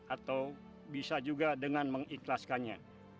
atau bisa juga dengan mengikhlaskannya